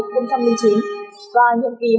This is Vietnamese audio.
và nhiệm kỳ hai nghìn hai mươi hai nghìn hai mươi một